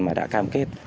mà đã cam kết